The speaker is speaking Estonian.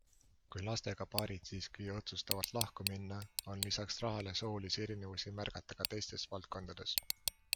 Kui lastega paarid siiski otsustavad lahku minna, on lisaks rahale soolisi erinevusi märgata ka teistes valdkondades.